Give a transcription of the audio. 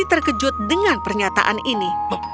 terkejut dengan pernyataan ini